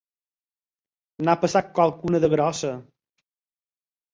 N'ha passat alguna de grossa.